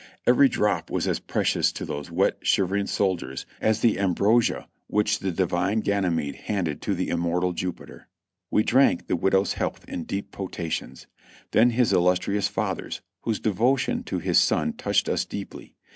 Every drop was as precious to those wet, shiver inof soldiers as the ambrosia which the divine Ganvmede handed to the immortal Jupiter. We drank the widow's health in deep potations ; then his illustrious father's, whose devotion to his son touched us deeply.